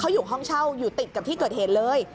อยู่ติดกับที่เกิดเหตุเลย